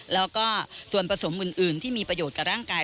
แล้วก็ส่วนผสมอื่นที่มีประโยชน์กับร่างกาย